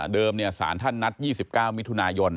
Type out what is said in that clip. เดิมเนี่ยสารท่านนัด๒๙มิถุนายน